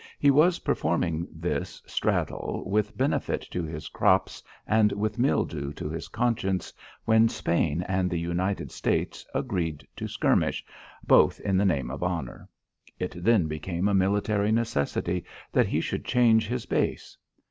He was performing this straddle with benefit to his crops and with mildew to his conscience when Spain and the United States agreed to skirmish, both in the name of honour. It then became a military necessity that he should change his base.